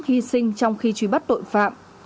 hy sinh trong khi truy bắt tội phạm